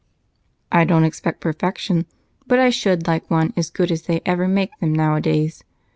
"I don't expect perfection, but I should like one as good as they ever make them nowadays.